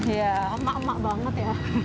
iya emak emak banget ya